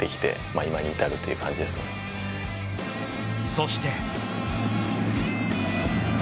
そして。